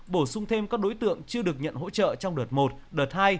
bổ sung thêm các đối tượng chưa được nhận hỗ trợ trong đợt một đợt hai